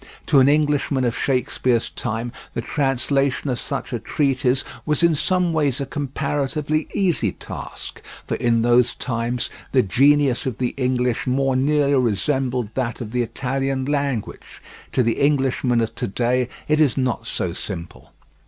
To an Englishman of Shakespeare's time the translation of such a treatise was in some ways a comparatively easy task, for in those times the genius of the English more nearly resembled that of the Italian language; to the Englishman of to day it is not so simple.